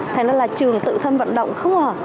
thành ra là trường tự thân vận động không hả